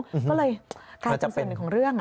ก็เลยการจำเป็นของเรื่อง